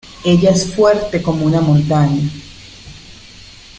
Ella es fuerte como una montaña.